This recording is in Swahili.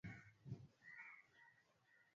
Biashara ni sekta muhimu